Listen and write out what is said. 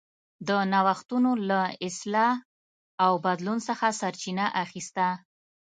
د نوښتونو له اصلاح او بدلون څخه سرچینه اخیسته.